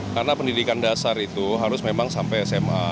karena pendidikan dasar itu harus memang sampai sma